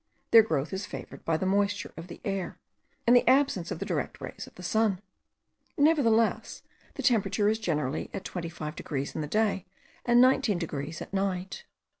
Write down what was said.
Their growth is favoured by the moisture of the air, and the absence of the direct rays of the sun. Nevertheless the temperature is generally at 25 degrees in the day, and 19 degrees at night.